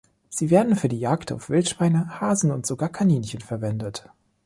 Sie werden für die Jagd auf Wildschweine, Hasen und sogar Kaninchen verwendet.